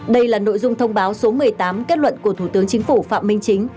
đây là nội dung thông báo số một mươi tám kết luận của thủ tướng chính phủ phạm minh chính